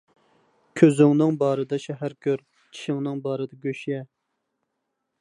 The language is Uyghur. كۆزۈڭنىڭ بارىدا شەھەر كۆر، چىشىڭنىڭ بارىدا گۆش يە.